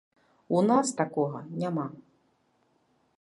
У нас такога няма!